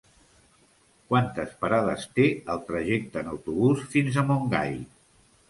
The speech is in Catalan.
Quantes parades té el trajecte en autobús fins a Montgai?